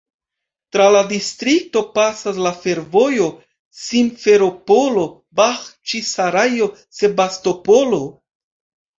Tra la distrikto pasas la fervojo Simferopolo-Baĥĉisarajo-Sebastopolo.